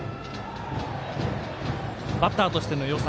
バッターとしてのよさ